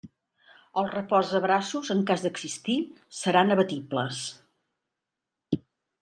Els reposabraços, en cas d'existir, seran abatibles.